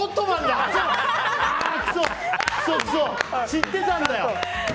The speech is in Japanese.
知ってたんだよ！